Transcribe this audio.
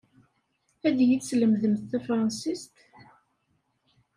Ad iyi-teslemdemt tafṛensist?